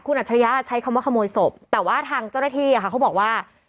อัจฉริยะใช้คำว่าขโมยศพแต่ว่าทางเจ้าหน้าที่เขาบอกว่า